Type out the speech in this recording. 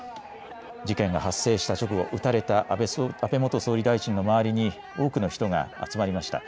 事件が発生した直後、撃たれた安倍元総理大臣の周りに多くの人が集まりました。